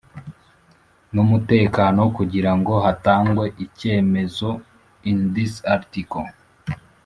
n umutekano kugira ngo hatangwe icyemezo in this Article